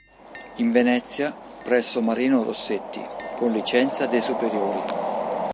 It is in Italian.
In Venezia, presso Marino Rossetti, con licenza de' superiori.